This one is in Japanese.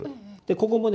ここもね